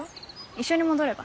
一緒に戻れば？